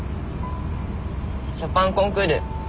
ショパンコンクール。